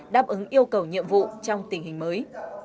đáp ứng yêu cầu nhiệm vụ trong tình hình mới